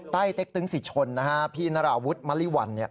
ใต้เต็กตึงสิทธิ์ชนนะฮะพี่นาราวุฒิมริวัล